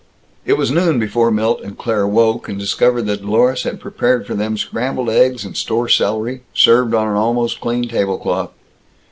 It was noon before Milt and Claire woke, and discovered that Dlorus had prepared for them scrambled eggs and store celery, served on an almost clean table cloth.